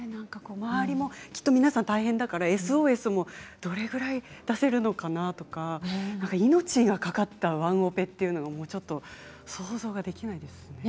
皆さん大変だったからＳＯＳをどれぐらい出せるのかなとか命がかかったワンオペというのは想像できないですね。